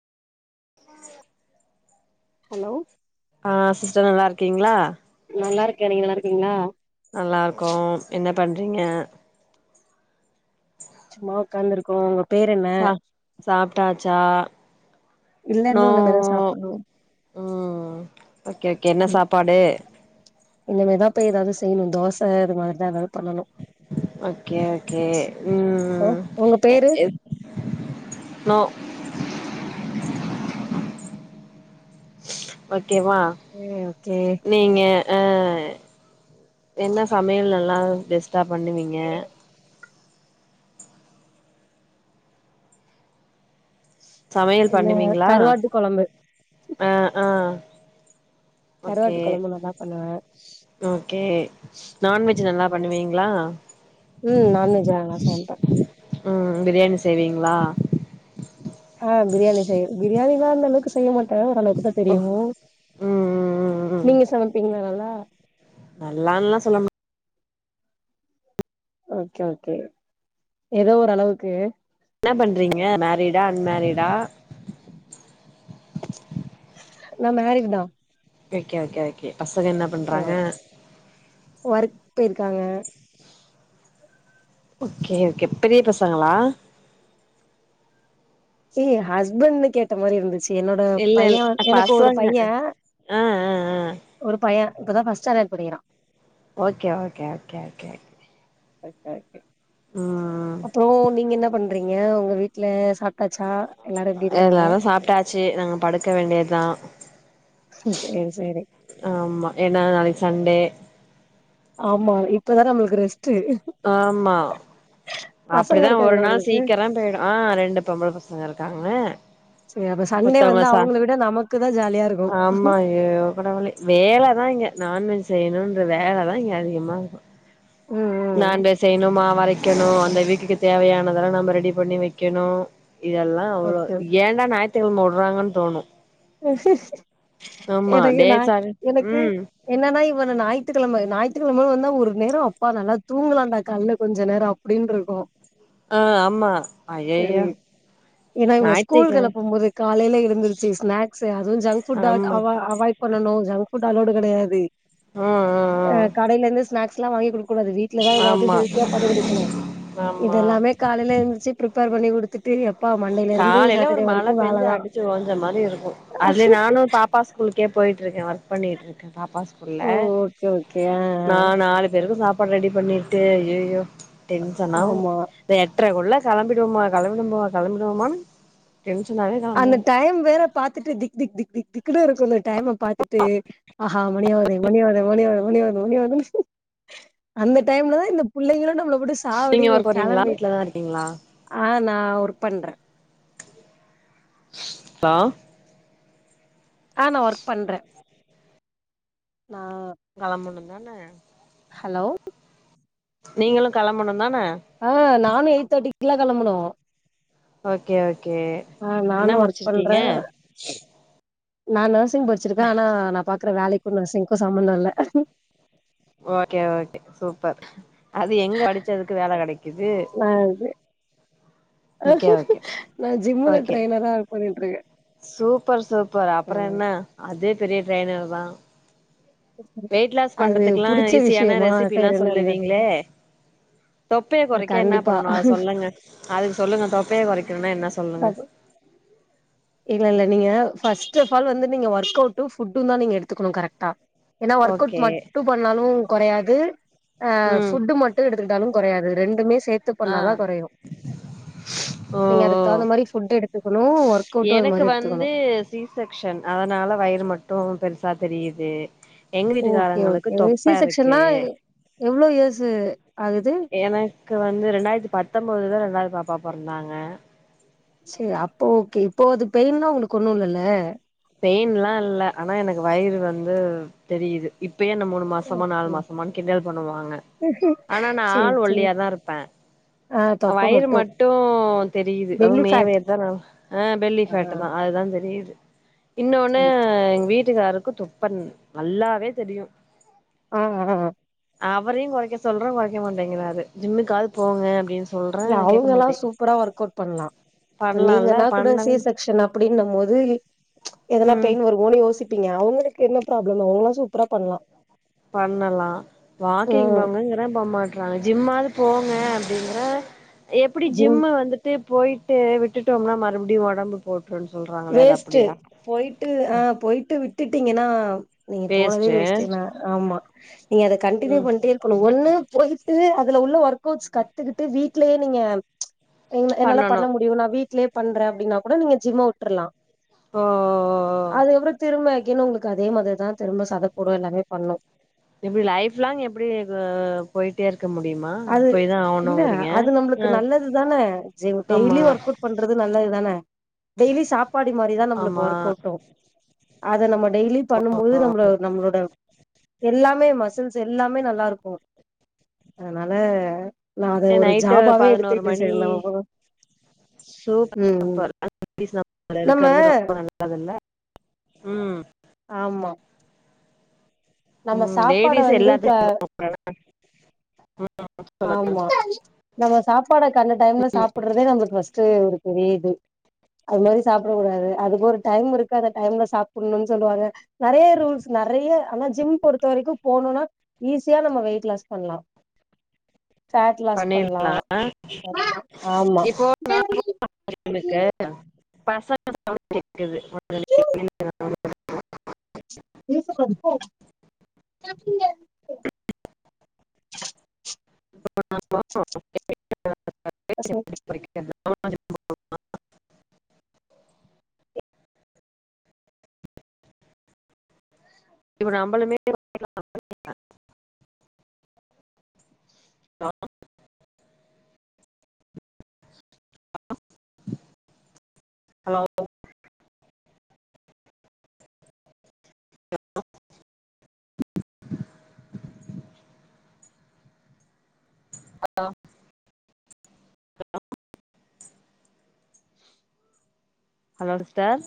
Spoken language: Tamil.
[inaudible] ஹலோ ஆ சிஸ்டர் நல்லாருக்கீங்களா நல்லாருக்கேன் நீங்க நல்லாருக்கீங்களா நல்லாருக்கோம் என்ன பண்றீங்க சும்மா உக்காந்துருக்கோம் சா சாப்ட்டாச்சா இல்ல இன்னு இனிமேதா அப்றோம் சாப்புட்ணு உம் ஓகே ஓகே என்ன சாப்பாடு இனிமேதான் போய் ஏதாது செய்ணும் தோச இது மாரிதான் ஏதாது பண்ணணும் ஓகே ஓகே ஹலோ உம் உங்க பேரு நோ ஓகேவா உம் ஓகே நீங்க அ என்ன சமையல் நல்லா பெஸ்ட்டா பண்ணுவீங்க சமையல் என்ன பண்ணுவீங்களா கருவாட்டு கொழம்பு ஆ ஆ ஓகே கருவாட்டு கொழம்பு நல்லா பண்ணுவே ஓகே நான்வெஜ் நல்லா பண்ணுவீங்களா ம் நான்வெஜ்லா நல்லா சமைப்பே ம் பிரியாணி செய்வீங்களா ஆ பிரியாணி செய்ய பிரியாணிலா அந்த அளவுக்கு செய்ய மாட்டே ஓரளவுக்குதா ஓ தெரியு ம் ம் ம் நீங்க சமைப்பீங்களா நல்லா நல்லான்ல்லா சொல்ல மா ஓகே ஓகே ஏதோ ஒரு அளவுக்கு என்ன பண்றீங்க மேரிடா அன்மேரிடா நா மேரேஜ் தா ஓகே ஓகே ஓகே பசங்க என்ன பண்றாங்க ஒர்க் போயிருக்காங்க ஓகே ஓகே பெரிய பசங்களா ஏ ஹஸ்பண்ட்ன்னு கேட்ட மாரி இருந்துச்சு என்னோட இல்ல இல் பையே எனக்கு ஒரு பசங்க பையே ஆ ஆ ஆ ஒரு பைய இப்ப தா ஃபர்ஸ்ட் ஸ்டாண்டர்ட் படிக்கிறா okay okay okay okay okay okay ம் அப்பறோ நீங்க என்ன பண் றீங்க உங்க வீட்ல சாப்டாச்சா எல்லாரு எப்டி இருக்காங்க ச்சு நாங்க படுக்க வேண்டியதா சேரி சேரி ஆமா ஏன்னா நாளைக்கு சண்டே ஆமா இப்பவர நம்மளுக்கு ரெஸ்ட் ஆமா பசங்க அப்டிதா ஒரு இருக்காங்களா நாள் உங்களுக்கு சீக்கிரோ போய்டு ஆ ரெண்டு பொம்பள பசங்க இருக்காங்க சேரி அப்ப சண்டே மத்தவங்க வந்தா சா அவங்கள விட நமக்குதா ஜாலியா இருக்கு ஆமா ஐயோ கடவுளே வேலை தா இங்க நான்வெஜ் செய்யணுன்ற வேலை தா இங்க அதிகமா இருக்கு ம் ம் நண்டு செய்யணு மாவரைக்கணு அந்த வீக்க்கு தேவையானதெல்லா நம்ம ரெடி பண்ணி வைக்கணு இதெல்லா அவ்வள ஓகே ஏண்டா ஞாயி்த்து கெழம வுட்றாங்கன்னு தோணு ஆமா எனக்கு நா டேஸ் ஆக எனக்கு ம் என்னன்னா இவன ஞாயித்துக்கெழம ஞாயித்துக்கெழம வந்தா ஒரு நேரோ அப்பா நல்லா தூங்கலான்டா கால்ல கொஞ்ச நேரோ அப் அப்டின்ருக்கு ஆ ஆமா ஐய்யய்யோ சரி ஏன்னா இவங்கள ஸ்கூல் கெளப்பும்போது காலைல எழுந்துருச்சி ஸ்நாக் ஸ் அதுவு ஜங்க் ஃபுட் ஆ ஆமா அவா அவாய்ட் பண்ணணு ஜங்க் ஃபுட் அலோவ்டு கெடையாது ஆ ஆ ஆ கடையில இருந்து ஸ்நாக்ஸ் எல்லா வாங்கி குடுக்க கூடாது வீட் லதா ஆ ஏதாவது ஆமா ஹெல்த்தியா பண்ணி குடுக்கணு இது ஆமா எல்லாமே காலேல எந்திச்சி ப்ரிப்பேர் பண்ணி குடுத்துட்டு எப்பா மண்டேல இருந்து சாட்டர்டே வரைக்கு வேலைதா மழை பேஞ்சி ஓன்ஜ மாரி இருக்கு அதுல நானு பாப்பா ஸ்கூலுக்கே போயிட்டு இருக்கே ஒர்க் பண்ணிகிட்டு இருக்கே பாப்பா இல்ல ஓ ஓகே ஓகே ஆ நா நாலு பேருக்கு சாப் பாடு ரெடி பண்ணிட்டு ஐய்யய்யோ ஆ டென்ஷனாவு ஆமா அந்த எட்ரக்குள்ள கெளம்பிடுவோமா கெளம்பிடுவோமா கெளம்பிடுவோமான்னு டென்ஷனாவேதா அந்த டைம் வேற பாத்துட்டு திக் திக் திக் திக் திக்ன்னு இருக்கு அந்த டைம பாத்துட்டு ஆஹா மணியாவ்து மணியாவ்து மணியாவ்து மணியாவ்து மணியாவ்துன் அந்த டைம்லதா இந்த புள்ளைங்களு நம்மள போட்டு நீங்க சாவடிங்க ஒர்க் போறீங்களா கெளம்பு வீட்லதா இருக்கீங்களா ஆ நா ஒர்க் பண்றே பா ஆ நா ஒர்க் பண்றே அ களம்பனுந்தான ஹலோ நீங்களு களம்பனுந்தான ஆ நானு எயிட் தேட்டிக்கில்லா கெளம்பனு ஓகே ஓகே ஆ இன்னா நானு ஒர்க் பண்றே முடிச்சிருக்கீங்க நா நர்சிங் படிச்சிருக்கே ஆனா நா பாக்குற வேலைக்கு நர்சிங்க்கு சம்மந்தோ இல்ல ஓகே ஓகே சூப்பர் அது எங்க படிச்சதுக்கு வேல கெடைக்குது அது ஓகே ஓகே நா ஜிம்ளில ஓகே ட்ரெய்னரா ஒர்க் பண்ணிட்ருக்கே சூப்பர் சூப்பர் அப்பற ம் என்ன அதே பெரிய ட்ரெய்னர் தா வெயிட் லாஸ் அது பண்றதுக்ல்லா புடிச்ச ஈஸியான விஷயமா ரெசிபில்லா பேர் என்ன இருந்தது சொல்லுவீங்களே தொப்பைய கொறைக்க என்ன கண்டிப்பா பண்ணணு அத சொல்லுங்க அதுக்கு சொல்லுங்க தொப்பைய கொறைக்கணுனா என்ன சொல்லுங்க இல்ல இல்ல நீங்க ஃபஸ்ட்ஃபால் வந்து நீங்க ஒர்க் அவுட்டு ஃபுட்டுந்தா நீங்க எடுத்துக்கணு கரெக்டா ஏனா ஒர்க் அவுட் ஓகே மட்டு பண்ணாலு கொறையாது அ ம் ஃபுட்டு மட் டு எடுத்துக்கிட்டாலு கொறையாது ரெண்டுமே சே த்து ஆ பண்ணாதா கொறையு ஓ நீங்க அதுக் ஓ தகுந்த மாரி ஃபுட்டு எடுத்துக்கணு ஒர் எனக்கு வந்து சி செக்ஷன் அதனால வயிரு மட்டு பெருசா தெரியிது எங்க வீட்டு ஓகே காாரங்களுக்கு ஓகே சி தொப்ப இருக்கு செக்ஷன்னா எவ்ளோ யேஸு ஆகுது எனக்கு வந்து ரெண்டாய்ர்த்தி பத்தொம்பதுல ரெண்டாவது பாப்பா பொறந்தாங்க சே அப்போ ஓகே இப்போ அது பெயின்லா உங்களுக்கு ஒண்ணு இல்லல்ல பெயின்லா இல்ல ஆனா எனக்கு வயிறு வந்து தெரியிது இப்பயே என்ன மூணு மாசமா நாலு மாசமான் கிண்டல் பண்ணுவாங்க ஆனா நா சேரி ஆள் சேரி ஒல்லியாதா இருப்பே ஆ தொப்ப வயிறு மட்டு தெரியிது அதுவு பெல்லி ஃபேட் மேவேதா ஆ பெல்லி கரட்டுதா அதுதா தெரியிது இன்னொன்னு சேரி எங் வீட்டுக்காருக்கு தொப்ப நல்லாவே தெரியு அ அ அ அவரையு கொறைக்க சொல்றே கொறைக்க மாட்டேங்கிறாரு ஜிம்முக்காது போங்க அப்டின் இல்ல அவங்கெல்லா சூப்பரா ஒர்க் அவுட் பண்லா இப்ப பண்லால்ல நீங்கனா கூட சி பண்ணவே செக்சன் அப்படின்னுமோது எதனா ம் பெயின் வருமோனு யோசிப்பீங்க அவுங்களுக்கு என்ன ப்ராப்ளம் அவுங்லா சூப்பரா பண்லா பண்ணலா வாக்கிங் ம் போங்கங்கிற போமா ட்றாங்க ஜிம்மாது போங்க அப்டிங்கிற எப்பிடி ஜிம் ஜிம்மு வந்துட் டு போய்ட்டு விட்டுட்டோம்னா மறுப்டியு எடம்பு போட்ருன் சொல்றாங்களே அது அப்படியா போய்ட்டு ஆ போய்ட்டு விட்டுட்டீங்கனா நீங்க போனதே வேஸ்ட்டு ந ஆமா நீங்க அத கன்டினுயூ ம் பண்ட்டே ஒண்ணு போய்ட்டு அதுல உள்ள ஒர்க் அவுட்ஸ் கத்துக்கிட்டு வீட்லயே நீங்க என் என்னால பண்ணணு பண்ண முடியு நா வீட்லயே பண்றே அப்டின்னா கூட நீங்க ஜிம்ம உட்டுருலா ஓ அதுக்கப்றோ திரும்ப அகைன் உங்களுக் அதே மாதிரி தா திரும்ப சதப்போடு எல்லாமே பண்ணு எப்படி லைஃப் லாங் எப்படி இது போயிட்டே இருக்க முடியுமா அது போய் தான் இல்ல ஆவணும்ங்கிறீங்க ஆ ஜீம் டேய்லி ஒர்க் அவுட் பண்றது நல்லது தான டெய்லி சாப்பாடி மாதிரிதான் நம்மளுக்கு ஆமா ஒர்க் அவுட்டும் அத நம்ம டெய்லி பண்ணும்போது நம்மள நம்மளோட எல்லாமே மசில்ஸ் எல்லாமே நல்லா இருக்கும் அதனால நா அத ஒரு நைட்டு ஜாபாவே பதினோரு எடுத்துக்கிட்டே மணி சரி நம்ம ம் ம் சூப்பர் [inaudible] நம்ம இருக்கிறது ரொம்ப நல்லது நல்லது இல்ல ம் ஆமா நம்ம ம் சாப்பாட லேடிஸ் வந்து க எல்லாத்தையும் [inaudible] ம் ஆமா நம்ம சாப்பாட கண்ட டைம்ல சாப்பிடுறதே நமக்கு பஸ்ட் ஒரு பெரிய இது அது மாறி சாப்பிடக் கூடாது அதுக்கு ஒரு டைம் இருக்கு அந்த டைம்ல சாப்பிடணும்னு சொல்லுவாங்க நெறைய ரூல்ஸ் நெறைய ஆனா ஜிம் பொறுத்த வரைக்கும் போனும்னா ஈஸியா நம்ம வெயிட் லாஸ் பண்ணலாம் பண்லா பண்ணிடலாம் ஆமா இப்போ [inaudible] பசங்க சவுண்ட் கேக்குது [inaudible] [inaudible] [unintelligible] [inaudible] பசங்க [inaudible] [inaudible] இப்ப நம்பலுமே [inaudible] hello hello hello hello hello sister